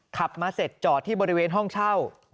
ขับมาเสร็จจอดที่บริเวณห้องเช่า